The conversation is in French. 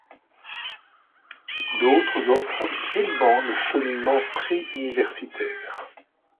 D'autres offrent seulement le cheminement pré-universitaire.